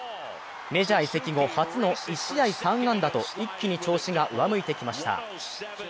メジャー移籍後初の１試合３安打と一気に調子が上向いてきました。